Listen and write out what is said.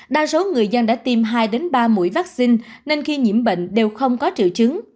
đa số người dân đã tiêm hai ba mũi vaccine nên khi nhiễm bệnh đều không có triệu chứng